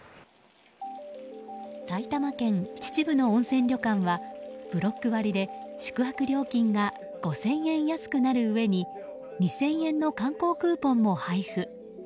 埼玉県秩父の温泉旅館はブロック割で宿泊料金が５０００円安くなるうえに２０００円の観光クーポンも配布。